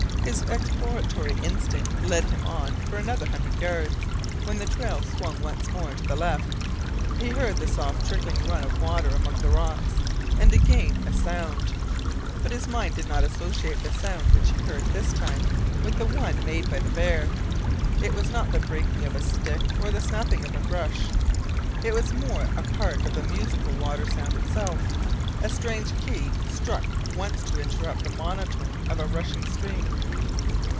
His exploratory instinct led him on for another hundred yards, when the trail swung once more to the left. He heard the swift trickling run of water among rocks, and again a sound. But his mind did not associate the sound which he heard this time with the one made by the bear. It was not the breaking of a stick or the snapping of brush. It was more a part of the musical water sound itself, a strange key struck once to interrupt the monotone of a rushing stream.